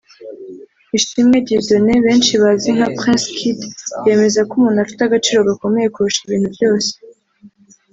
Ishimwe Dieudonne benshi bazi nka Prince Kid yemeza ko umuntu afite agaciro gakomeye kurusha ibintu byose